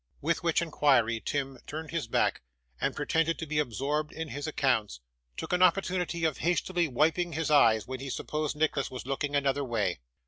With which inquiry, Tim turned his back, and pretending to be absorbed in his accounts, took an opportunity of hastily wiping his eyes when he supposed Nicholas was looking another way.